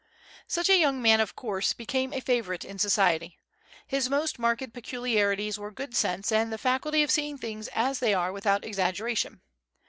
Such a young man of course became a favorite in society. His most marked peculiarities were good sense and the faculty of seeing things as they are without exaggeration.